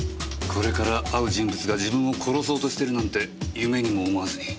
これから会う人物が自分を殺そうとしてるなんて夢にも思わずに。